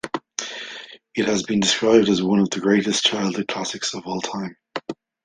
It has been described as one of the greatest childhood classics of all time.